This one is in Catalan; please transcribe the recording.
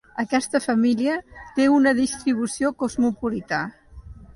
Aquesta família té una distribució cosmopolita.